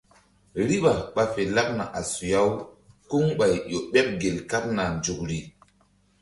Riɓa ɓa fe laɓna a suya-u kuŋɓay ƴo ɓeɓ gel kaɓna nzukri.